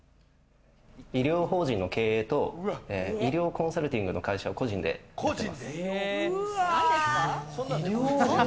医療法人の経営と医療コンサルティングの会社を個人でやってます。